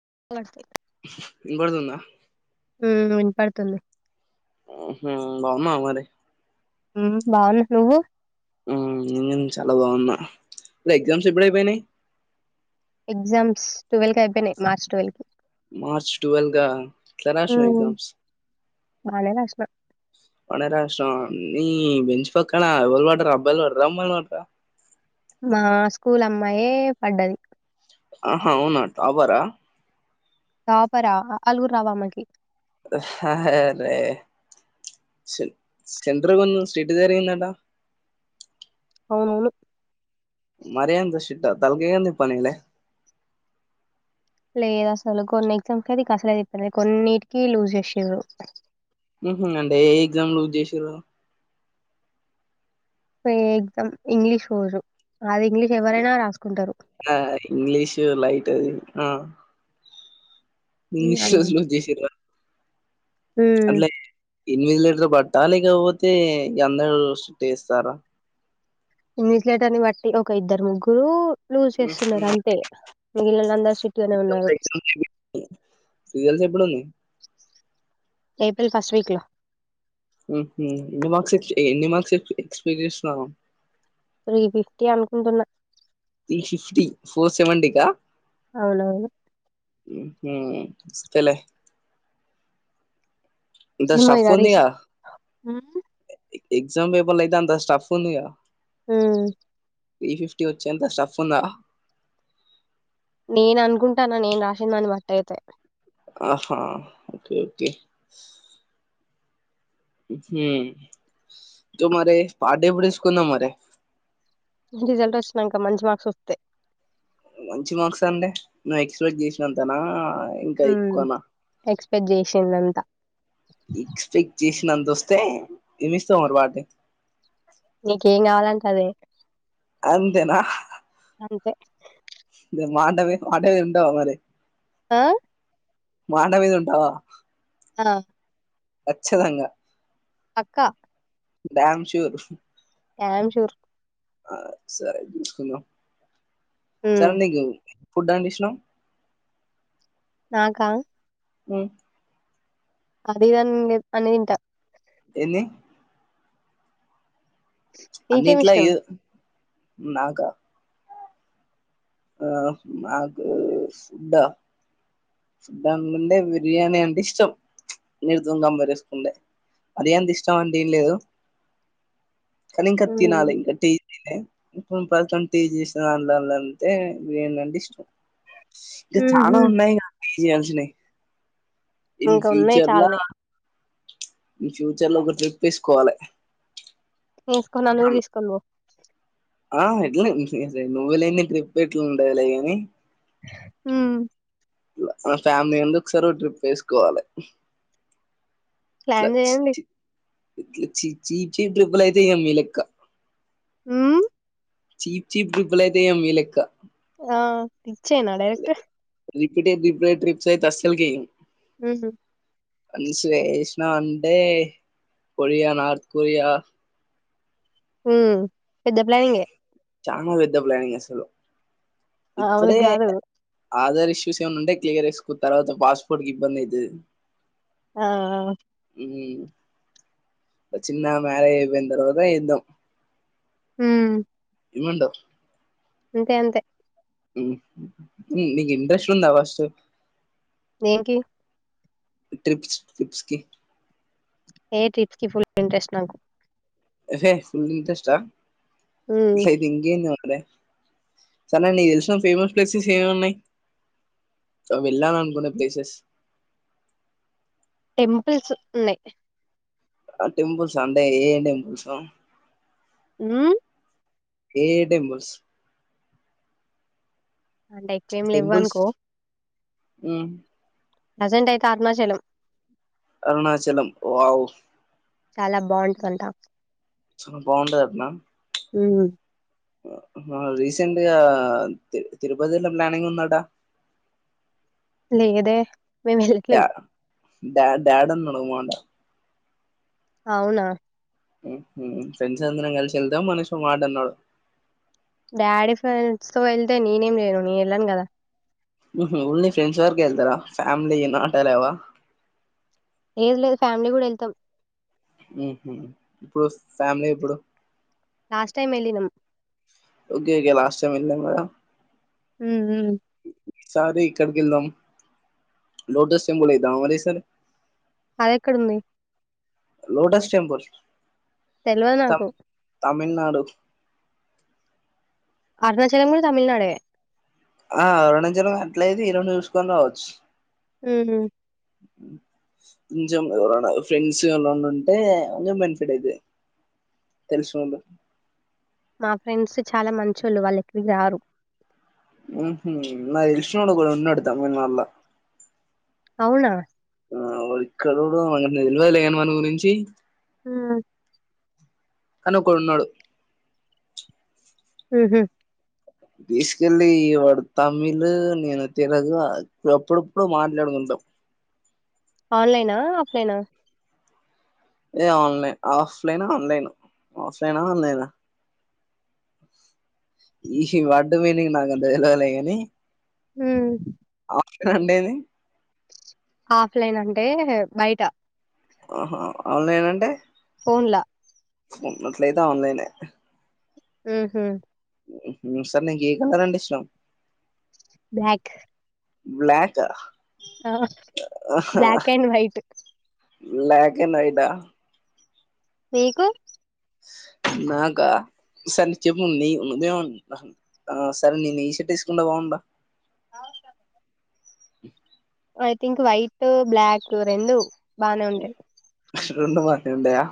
[unintelligible] వినబడుతుందా హు వినపడుతుంది ఉహు [unintelligible] మరి హు బాగున్న నువ్వు హు నేను చాలా బాగున్నా అ ఎగ్జామ్స్ ఎప్పుడు అయిపోయినాయి ఎగ్జమ్స్ టువల్ క అయినాయి మార్చ్ టువాల్ కి మార్చ్ టువల్ గా ఎట్లా రాసినావ్ ఎగ్జామ్స్ వాళ్ళే [unintelligible] మన రాష్ట్రం నీ బెంచ్ పక్కన ఎవరు పడ్డారు అబ్బయిలు పడ్డారా అమ్మాయిలు పడ్డారా మా స్కూల్ అమ్మాయే పడ్డది ఆహా అవున టాపర్ ఆ టాపర్ ఆ ఆఆలు కూడా రావు ఆమెకి అరే సె సెంటర్ [unintelligible] స్టిట్ జరిగిందట అవునవును మరి అంత స్టిట్ ఆ తలగ ఏంది పనీలే లేదు అసలు కొన్ని ఎగ్జామ్స్ అది అసలు చెప్తాలే కొన్నిటికి లూజ్ చేసేవారు ఉహు అంటే ఏ ఎగ్జామ్ లూజ్ చేసిర్రు ఎ ఎగ్జామ్ ఇంగ్లీష్ రోజు అది ఇంగ్లీష్ ఎవరైనా రాసుకుంటారు ఆ ఇంగ్లీష్ లైట్ ఆ ఉమ్ ఇంగ్లీష్ రోజులు చేసిరా మ్మ్ ఎనిమిది లిటర్ల బాట లేకపోతే అందరు శుద్ధి చేస్తారా ఇన్విజిలేటర్ని బట్టి ఒక ఇద్దరు ముగ్గురు లూజ్ చేస్తున్నారు అంతే మిగిలిన అందరూ సిట్టుగానే ఉన్నారు రిజల్ట్స్ ఎప్పుడున్నాయి ఏప్రిల్ ఫస్ట్ వీక్ లో ఎన్ని మార్క్స్ ఎక్స్ప్లెయిన్ చేస్తున్నారు త్రి ఫిఫ్టీ అనుకుంటున్న త్రీ ఫిఫ్టీ ఫోర్ సేవేంటీ కా అవునవును వస్తాయిలే ఇంత ఏమో ఇగ రిజి సఫ్ఉందిగా ఉమ్ ఎక్సమ్ పేపర్లో అయితే అంతా స్టాఫ్ ఉందిగా హ త్రీ ఫిఫ్టీ వచ్చే అంత స్టఫ్ ఉందా నేను అనుకుంటాను నేను రాసిందాన్ని బట్టి అయితే ఆహా ఓకే హ్మ్మ్ తు మరి పార్టీ ఎప్పుడు తీసుకుందాం మరి రిజల్ట్ వచ్చినాక మంచి మార్క్స్ వస్తే మంచి మార్క్స్ అంటే నువ్వు ఎక్స్పెక్ట్ చేసినంతనా ఇంకా ఎక్కువనా హ్మ్మ్ చేసిందంతా ఎక్స్పెక్ట్ చేసినంత వస్తే ఎం ఇస్తావ్ మరి పార్టీ నీకేం కావాలంటే అదే అంతేనా అంతే మాటవి మాటవి వింటావా మరి ఆ మాట మీద ఉంటావా ఆ కచ్చితంగా అక్క డ్యామ్ శూర్ డామ్ షూర్ ఆ సరే చూదాం ఉమ్ చాల్ నికి ఫుడ్ అంటె ఇష్టం నాకా ఉమ్ అది ఇది అని లేదు అనేది తింటా ఎన్ని నీకేమి అన్నిట్లా ఇష్టం ఎద్ నాకా ఆ నాకు ఫుడ్డా ఫుడ్అనుకుంటే బిర్యానీ అంటే ఇష్టం [unintelligible] అంత ఇష్టం మా అంటే ఏం లేదు కనింకా తినాలే ఉమ్ ఇంక టీ ఏంది ఇప్పునువ్ ప్రస్తుతం టీవీ [unintelligible] తే నేనంటే ఇష్టం ష్ చాలా ఉహు ఉన్నాయి ఇగ అయ్యన్షినయ్ ఇంకా ఉన్నాయి చాలనే ఫ్యూచర్ లో ఒక ట్రిప్ ఎసుకోవాలె తీసుకో నన్ను గూడ తీసుకుని బొ ఆ ఏ ట్లనే నువ్వులేని ట్రిప్ ఎట్లా ఉంటాదిలే గాని ఉమ్ ఫ్యామిలీ అందు కోకసారి ట్రిప్ ఎసుకోవాలే ప్లాన్ చెయండి ఇట్లా చ చీ చీ ట్రిపుల్ అయితే వేయలేం మీ లెక్క ఉమ్ చీప్ చీప్ రిప్లై అయితే ఏయ్యలేం మీ లెక్క ఆ ఇచ్చేనా డైరెక్ట్ర్ రిపీటెడ్ రిపిటెడ్ ట్రిప్స్ అయితే అస్స లుకేయం ఉమ్ అన్స్వేష్ నా అంటే కొరియా నార్త్ కొరియా ఉమ్ పెద్ద ప్లానింగే చానా వెద్ద ప్లానింగ్ అసలు ఆ అవును ఇప్పుడే గాదు ఆధార్ ఇష్యూస్ ఏమన్నా ఉంటే క్లియర్ ఏసుకో తర్వాత పాస్పోర్ట్ కి ఇబ్బంది అయితది ఆ ఇ చిన్న మ్యారేజ్ అయిపోయిన తర్వాత ఏ ద్దాం ఉమ్ ఏమంటావ్ అంతే అంతే ఉమ్ నీకు ఇంట్రెస్ట్ ఉందా ఫస్ట్ దే నికి ట్రిప్స్ ట్రిప్స్కి ఏ ట్రిప్ కి ఫుల్ ఇంట్రెస్ట్ నాకు ఏ హే ఫుల్ ఇంట్రస్ట్ ఆ హ్మ్. ఐతే ఇంకేంది మ రే సరే నీకు తెలిసిన ఫేమస్ ప్లేసెస్ ఏమున్నాయి సో వెళ్ళాలనుకునే ప్లేసెస్ టెంపుల్స్ ఉన్నాయి ఆ టెంపుల్స్ అంటే ఏ టెంపుల్స్ మ్మ్ ఏ ఏ టెంపుల్స్ అంటే ఎక్కువేం లెవ్ అనుకో మ్మ్ ప్రజెంట్ అయితే ఆత్మాచలం అరుణాచలం వావ్ చాలా బాగుంటుదంటా చాలా బాగుంటదంటనా మ్మ్ రీసెంట్గా తి తిరుపతిలో ప్లానింగ్ ఉందట లేదే మేము డా వెళ్ళట్లేం. డాడాడన్న ఓ మాట అవునా ఫ్రెండ్స్ అందరం కలిసి వెళ్దాం మనిషో మాట అన్నాడు డాడీ ఫ్రెండ్స్ తో ఎళ్తే నేనేం చైను నేను వెళ్ళాను కదా మ్మ్ హ్ ఓన్లీ ఫ్రెండ్స్ వరకు వెళ్తారా ఫ్యామిలీ నాటలవ ఏది లేదు ఫ్యామిలీ కూడా వెళ్తాం మ్మ్ హ్ ఇప్పుడు ఫ్యామిలీ ఎప్పుడు లాస్ట్ టైమ్ ఎళ్ళినం ఓకే ఓకే లాస్ట్ టైం ఎల్లాం కదా హామ్ హ్ సారే ఇక్కడకి వెళ్దాం లోటస్ టెంబల్ వేద్దామా ఈసారి అదెక్కడుంది లోటస్ టెంపుల్ తెలివదు త నాకు తమిళనాడు అరుణాచలం కూడా తమిళనాడే ఆ అరుణాచలం అట్లది ఈ రెండు చూసుకొని రావచ్చు ఉ హామ్ కొంచెం ఎవరన్నా ఫ్రెండ్స్ ఎవలన్నా ఉంటే కొంచెం బెనిఫిట్ అయితది తెలుసినోలు మా ఫ్రెండ్స్ చాలా మంచోళ్ళు వాళ్ళ ఎక్కడికి రారు మ్మ్ హ్ నాకు తెలిసినోడు ఒకడున్నాడు తమిళనాడులో అవునా వాడిక్కడోడు తెల్వదులే వాని గురించి మ్మ్ ఒక్కడున్నాడు మ్మ్ హ్ తీసుకెళ్లి వాడు తమిళ నేను తెలుగు అప్పుడప్పుడు మాట్లాడుకుంటాం ఆన్లైనా ఆఫ్లైనా ఏ ఆన్లైన్ ఆఫ్లైన్ ఆన్లైన్ ఆఫ్లైన్ ఆన్లైనా ఇష్ వర్డ్ మీనింగ్ నాకు తెలవదులే గానీ హామ్ రండేది ఆఫ్లైన్ అంటే బయట ఆహా ఆన్లైన్ అంటే ఫోన్ల ఇట్లయితే ఆన్లైనే మ్ హు సరే నీకు ఏ కలర్ అంటే ఇష్టం బ్లాక్ బ్లాకా ఆ black and white black and white ఆ మీకు నాకా సరే నీ చెప్పు నీ ఉన్నద సరే నేను ఈ షర్ట్ వేసుకుంటె బాగుంట [inaudible] ఐ థింక్ వైట్ బ్లాక్ రెండు బానే ఉంటాయి రెండు మంచిగా ఉంటయా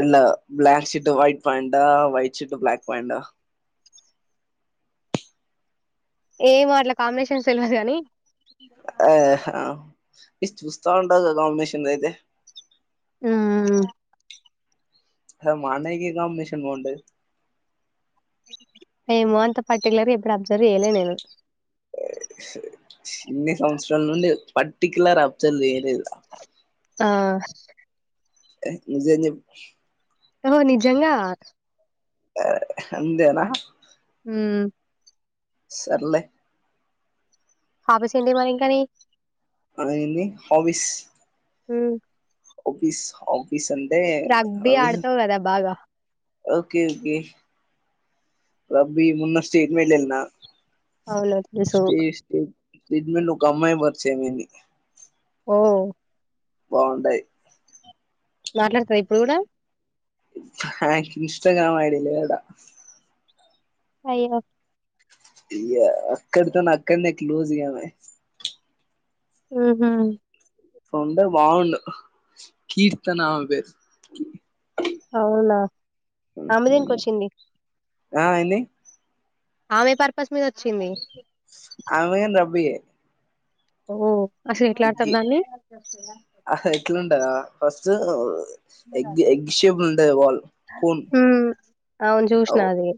ఇ black shirt white ప్యాంట white shirt black ప్యాంట ఏమో అట్లా కాంబినేషన్స్ తెలివదు కాని ఆహా ఇ చూస్తా ఉంటగా కాంబినేషన్ అయితే ఉమ్ మా అన్నయ్య కే కాంబినేషన్ బాగుంటది ఏమో అంత పర్టికులర్ గా ఎప్పుడు అబ్జర్వ్ చేయలే నేను చిన్ని సంవత్సరాల నుండి పర్టికులర్ అబ్సర్వ్ చేయలేదా ఆ ఎ నిజం చెప్పు ఓ నిజంగా అ అంతేన మ్ సర్లే హాఫస్ండే మార్నింగ్ కానీ అ ఎంది హాబీస్ మ్ హాబీస్ హా రగ్బి ఆడతావ్ కదా బాగా ఓకే ఓకే రబి మోన్న స్టేట్మెంట్న్న విన్న అవును తెలుసు [unintelligible] ఒక అమ్మాయి పరిచయం అయింది ఓ బాగుంటయి మాట్లాడతవా ఇప్పుడు కూడా ఇన్స్టాగ్రామ్ ఐడిలే లేదు ఇడ అయ ఇ అక్కడతోనే అక్కడనే క్లోజ్గామే మ్ హు సొండ బగున్నా కీర్తన ఆ పేరు అవునా ఆమె దేనికి వచ్చింది ఆ ఎన్ని ఆమె పర్పస్ మీద వచ్చింది ఆమె గాని రబ్బియే ఓ అసలు ఎట్లా ఆడతారు ఎగ్గి దాన్ని అంట ఫస్ట్ ఎగ్ ఎగ్ షెప్ టె వాళ్ హ అవును చూసిన అది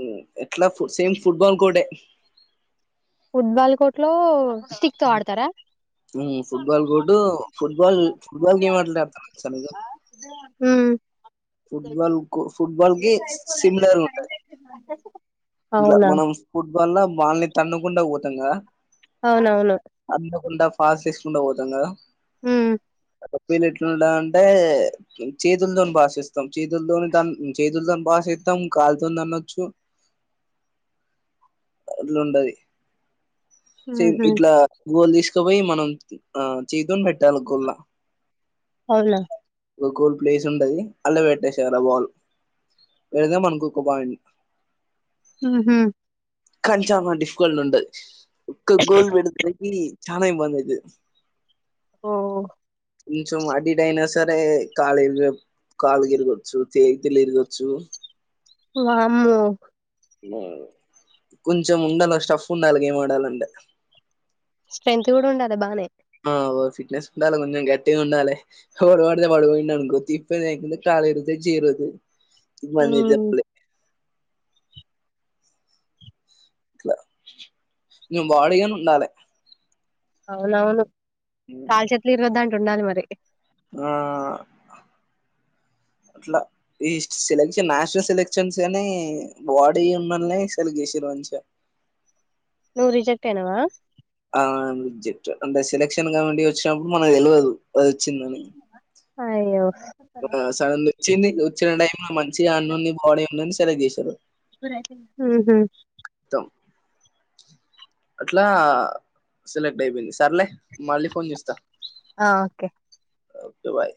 ఉహ్ ఎట్లా సేమ్ ఫుట్బాల్ కోర్టే ఫుట్బాల్ కోర్ట్లో ఉహ్ ఫుట్బాల్ కోటు ఫుట్బాల్ ఫుట్బాల్కి ఏం మాట్లాతారు సరిగా హహ్ ఫుట్బాల్ కు ఫుట్బాల్ కి సిమిలర్ ఉంటాది ఇట్లా అవునా మనం ఫుట్బాల్ లో వాళ్ళని తన్నుకుండా తుంగ పోతం కదా అవునవును ఉండా ఫాస్ తీసుకుండా పోతాం కదా ఉహ్ పప్పీలు ఎట్లుంటాయి అంటే చేతులతోని బాసిస్తాం చేతులతోని తన్ చేతులతో బాసేస్తాం కాళతోని తనొచ్చు అట్లా ఉంటది సే ఊహూ ఇట్లా గోల్ తిస్ ఇకు పోయి మనం ఆ చేయితోని పెట్టాలి గుల్లా అవునా ఒకల్ ప్లేస్ ఉంటది అల్లె పెట్టేశారా ఆ బాల్ పెడితే మనకొక్క పాయింట్ ఆహా కంచావమ డిష్ గోల్ ఉంటాది ఉత్తా గోల్ పెడితే చానా ఇబ్బంది అయితాది ఓ ఇంచు అటు ఇటు అయినా సరే సరే కాలురిగ్ కాలు విరగొచ్చు చేగితలు విరగొచ్చు వామో కొంచెం ఉండాలి స్టఫ్ ఉండాలి గేమ్ ఆడాలంటే స్ట్రెంట్త్ కూడా ఉండాల బానే ఆ ఫిట్నెస్ ఉండాలి కొంచెం గట్టిగా ఉండాలి ఎవడు పడితే వాడు విన్ అనుకో తిప్పి? ఇడిదిచ్చి ఇరుగుతాయ్ ఇబ్బంది హ్మ్ జక్లె ఇట్లా ఇంకా బాడీగాని ఉండాలి అవునవును హ్మ్. కాల్చత్లు ఇదంంట డుడాలి మరి ఆ అట్లా ఈ సెలెక్షన్ నేషనల్ సెలెక్షన్స్ అని బాడీ ఉన్నని సెలెక్ట్ చేసారు మంచిగా నూవు రిజెక్ట్ అనావా ఆ జెక్ట్ అంటే సెలక్షన్ కమిటీ వచ్చినప్పుడు మనకు తెలవదు ఆది ఒచ్చిందిని అయ్యో ఆ సడన్ వచ్చింది వచ్చిన టై లో మంచిగా అన్నంది బాడీ ఉందని చర దిశిరు ఊహు మొత్తం. అట్లా సెలెక్ట్ అయిపోయింది సర్లే మళ్ళీ ఫోన్ చేస్తా ఆ ఓకే ఓకే బాయ్